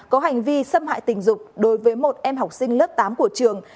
có hành vi xâm hại tình dục đối với một em học sinh lớp tám của trường